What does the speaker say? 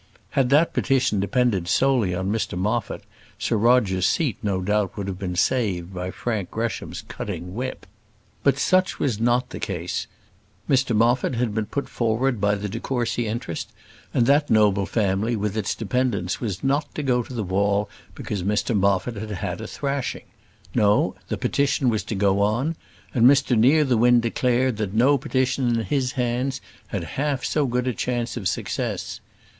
Had that petition depended solely on Mr Moffat, Sir Roger's seat no doubt would have been saved by Frank Gresham's cutting whip. But such was not the case. Mr Moffat had been put forward by the de Courcy interest; and that noble family with its dependants was not to go to the wall because Mr Moffat had had a thrashing. No; the petition was to go on; and Mr Nearthewinde declared, that no petition in his hands had half so good a chance of success.